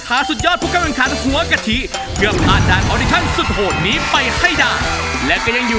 โอ้โฮน้องมันถุกมันยากบ่สมกับอาย